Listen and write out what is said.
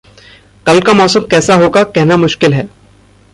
कल का मौसम कैसा होगा कहना मुश्किल है।